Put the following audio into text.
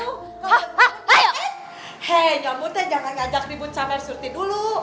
he nyomot teh jangan ngajak ribut sama surti dulu